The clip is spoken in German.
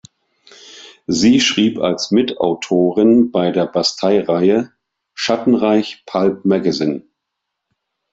Sie schrieb als Mitautorin bei der Bastei-Reihe „Schattenreich pulp magazine“.